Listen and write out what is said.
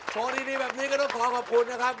โชว์ดีแบบนี้ก็ต้องขอขอบคุณนะครับ